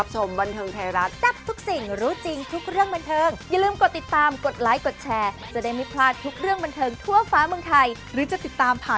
จริงอันนี้ก็จริงค่ะ